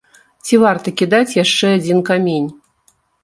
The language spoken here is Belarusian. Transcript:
Ці варта кідаць яшчэ адзін камень?